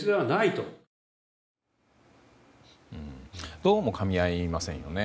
どうもかみ合いませんよね。